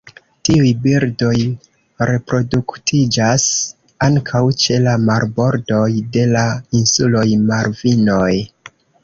Tiuj birdoj reproduktiĝas ankaŭ ĉe la marbordoj de la insuloj Malvinoj.